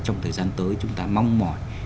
trong thời gian tới chúng ta mong mỏi